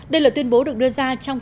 đây là tuyên bố được đưa ra trong